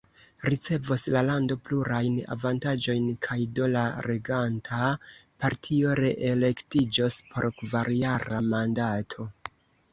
Ricevos la lando plurajn avantaĝojn, kaj do la reganta partio reelektiĝos por kvarjara mandato.